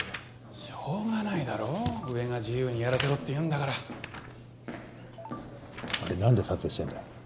しょうがないだろ上が自由にやらせろって言うんだからあれ何で撮影してんだ？